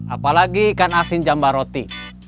apalagi ikan asin jamba roti